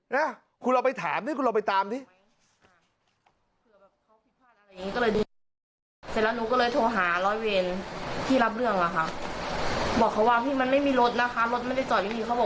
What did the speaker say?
น่ะคุณเราไปถามสิคุณเราไปตามสิ